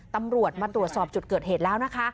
ตำรวจมาตรวจสอบจุดเกิดเหตุแล้วนะคะ